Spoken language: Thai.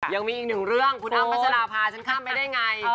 ยังมีอีกหนึ่งเรื่องคุณอ้ำพัชราภาฉันข้ามไปได้ไง